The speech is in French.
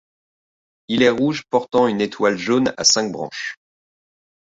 Il est rouge portant une étoile jaune à cinq branches.